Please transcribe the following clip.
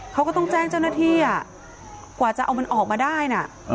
เขาก็ต้องแจ้งเจ้าหน้าที่กว่าจะเอามันออกมาได้นะ